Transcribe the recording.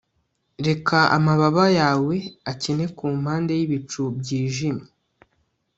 reka amababa yawe akine kumpande yibicu byijimye